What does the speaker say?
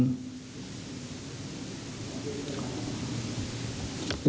ตำรวจไม่มีหน้าที่เกี่ยวข้อง